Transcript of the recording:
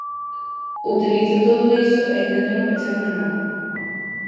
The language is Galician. Utilizo todo iso e intento non pecharme a nada.